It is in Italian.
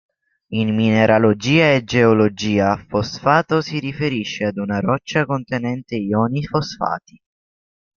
In mineralogia e geologia, fosfato si riferisce ad una roccia contenente ioni fosfati.